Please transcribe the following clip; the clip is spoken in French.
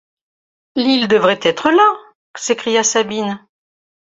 L’île devrait être là! s’écria Sabine.